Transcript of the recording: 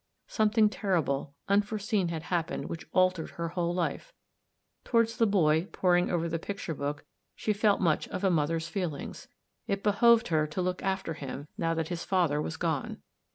Something terrible, unforeseen, had happened which altered her whole life. Toward the boy poring over the picture book she felt much of a mother's feeling ; it behooved her to look after him now that his father was gone.